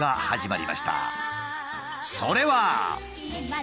それは。